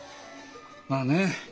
まあねえ